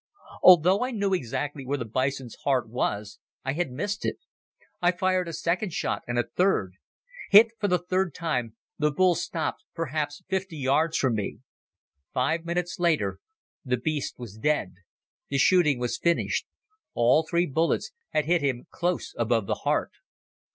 Although I knew exactly where the bison's heart was I had missed it. I fired a second shot and a third. Hit for the third time the bull stopped perhaps fifty yards from me. Five minutes later the beast was dead. The shooting was finished. All three bullets had hit him close above the heart.